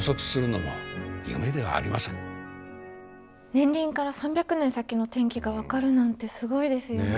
年輪から３００年先の天気が分かるなんてすごいですよね。